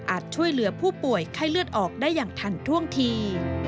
ช่วยเหลือผู้ป่วยไข้เลือดออกได้อย่างทันท่วงที